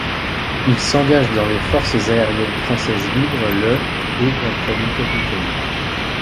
Il s'engage dans les Forces aériennes françaises libres le et est promu capitaine.